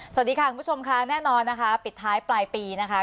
สวัสดีค่ะคุณผู้ชมค่ะแน่นอนนะคะปิดท้ายปลายปีนะคะ